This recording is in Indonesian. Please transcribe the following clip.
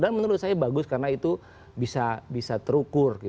dan menurut saya bagus karena itu bisa terukur